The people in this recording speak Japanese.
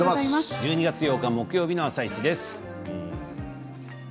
１２月８日木曜日の「あさイチ」です。